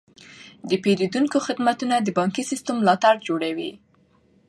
د پیرودونکو خدمتونه د بانکي سیستم ملا تیر جوړوي.